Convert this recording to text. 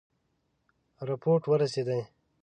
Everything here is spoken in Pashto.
رپوټ ورسېدی.